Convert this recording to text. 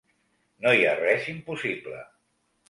No hi ha res impossible.